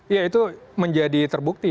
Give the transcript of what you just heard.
ya itu menjadi terbukti